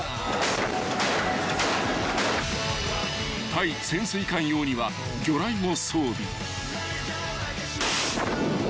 ［対潜水艦用には魚雷も装備］